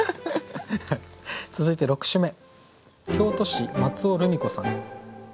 続いて６首目。